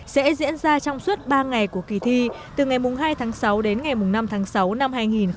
sẽ diễn ra trong suốt ba ngày của kỳ thi từ ngày hai tháng sáu đến ngày năm tháng sáu năm hai nghìn một mươi chín